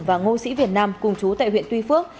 và ngô sĩ việt nam cùng chú tại huyện tuy phước